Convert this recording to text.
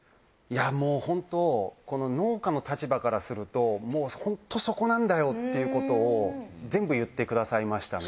もうホントこの農家の立場からするともうホントそこなんだよっていうことを全部言ってくださいましたね。